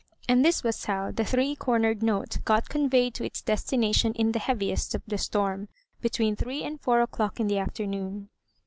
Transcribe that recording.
And this was how the three cornered note got conveyed to its destination in the heaviest of the storm, between three and four o'clock in the afternoon.